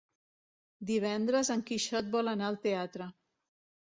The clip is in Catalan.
Divendres en Quixot vol anar al teatre.